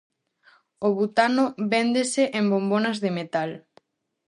O butano véndese en bombonas de metal.